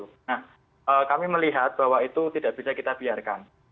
nah kami melihat bahwa itu tidak bisa kita biarkan